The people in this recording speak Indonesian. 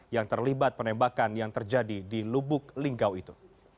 yang terlibat penembakan yang terjadi di lubuk linggau itu